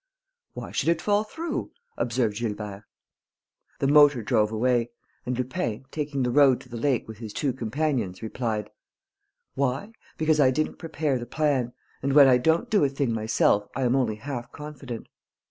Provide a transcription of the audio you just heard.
"Why should it fall through?" observed Gilbert. The motor drove away; and Lupin, taking the road to the lake with his two companions, replied: "Why? Because I didn't prepare the plan; and, when I don't do a thing myself, I am only half confident."